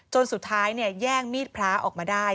จนสุดท้ายแย่งมีดพระออกมาได้